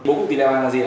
bố cục tỷ lệ vàng là gì